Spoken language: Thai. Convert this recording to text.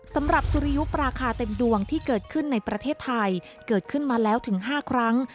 สุริยุปราคาเต็มดวงที่เกิดขึ้นในประเทศไทยเกิดขึ้นมาแล้วถึง๕ครั้ง